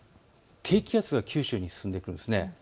低気圧が九州に進んでくるんです。